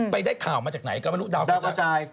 ได้ข่าวมาจากไหนก็ไม่รู้ดาวประจำ